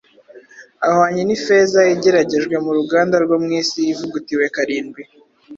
Ahwanye n’ifeza igeragejwe mu ruganda rwo mu isi ivugutiwe karindwi